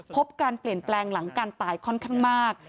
พบการเปลี่ยนแปลงหลังการตายค่อนข้างมาก